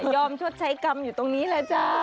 ยอมชดใช้กรรมอยู่ตรงนี้แล้วจ้า